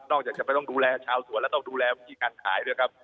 จากจะไม่ต้องดูแลชาวสวนแล้วต้องดูแลวิธีการขายด้วยครับ